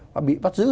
và bị bắt giữ